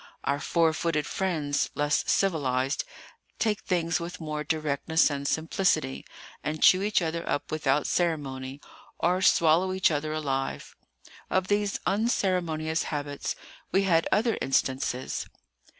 Our four footed friends, less civilized, take things with more directness and simplicity, and chew each other up without ceremony, or swallow each other alive. Of these unceremonious habits we had other instances.